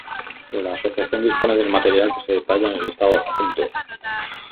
La Asociación dispone del material que se detalla en el listado adjunto.